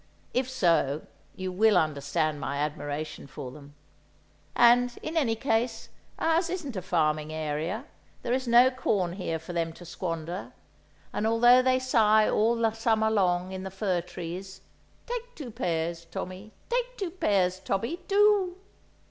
If so, you will understand my admiration for them. And, in any case, ours isn't a farming area; there is no corn here for them to squander, and although they sigh all summer long, in the fir trees, "Take two pears, Tommy! Take two pears, Tommy!—_do!